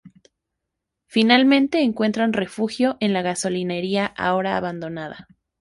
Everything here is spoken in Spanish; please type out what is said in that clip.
Finalmente encuentran refugio en la gasolinera ahora abandonada.